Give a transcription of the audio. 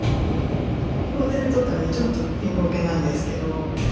慌てて撮ったのでちょっとピンボケなんですけど。